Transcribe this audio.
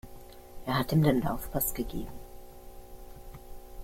Er hat ihm den Laufpass gegeben.